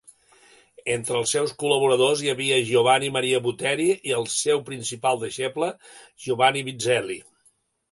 Entre els seus col·laboradors hi havia Giovanni Maria Butteri i el seu principal deixeble, Giovanni Bizzelli.